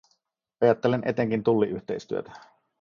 Ajattelen etenkin tulliyhteistyötä.